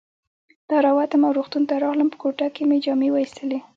را ووتم او روغتون ته راغلم، په کوټه کې مې جامې وایستلې.